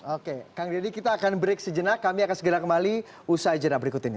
oke kang deddy kita akan break sejenak kami akan segera kembali usai jenah berikut ini